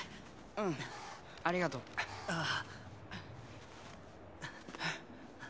うんありがとうああ